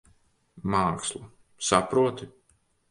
Māksla. Saproti?